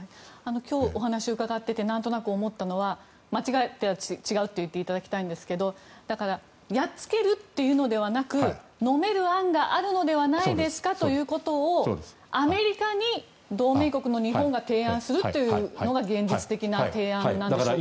今日お話を伺っていてなんとなく思ったのは間違えていたら違うと言っていただきたいんですがだからやっつけるというのではなくのめる案があるのではないですか？ということをアメリカに同盟国の日本が提案するというのが現実的な提案なんでしょうか。